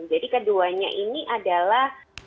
jadi keduanya ini adalah